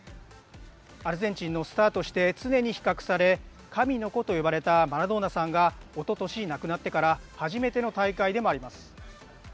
アルゼンチンのスターとして常に比較され神の子と呼ばれたマラドーナさんがおととし亡くなってから初めての大会でもあります。